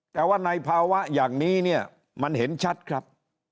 แต่ว่าในภาวะอย่างนี้เนี่ยมันเห็นชัดครับ